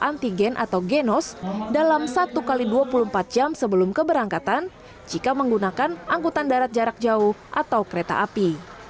dan juga memiliki kemampuan untuk menggunakan antigen atau genos dalam satu x dua puluh empat jam sebelum keberangkatan jika menggunakan angkutan darat jarak jauh atau kereta api